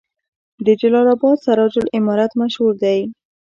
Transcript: د جلال اباد سراج العمارت مشهور دی